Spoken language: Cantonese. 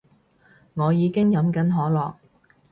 我已經飲緊可樂